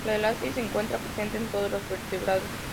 La elastina se encuentra presente en todos los vertebrados.